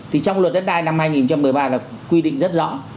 thì trong luật đất đai năm hai nghìn một mươi ba là quy định rất rõ